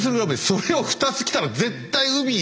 それを２つ着たら絶対海